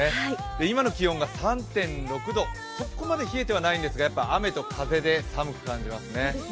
今の気温が３．６度、そこまでは冷えていないんですがやっぱ雨と風で寒く感じますね。